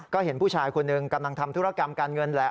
ก็เห็นผู้ชายคนหนึ่งกำลังทำธุรกรรมการเงินแหละ